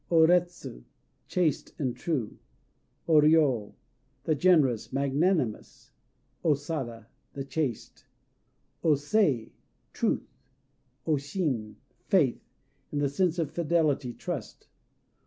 O Retsu "Chaste and True." O Ryô "The Generous," magnanimous. O Sada "The Chaste." O Sei "Truth." O Shin "Faith," in the sense of fidelity, trust.